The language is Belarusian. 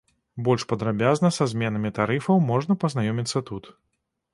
Больш падрабязна са зменамі тарыфаў можна пазнаёміцца тут.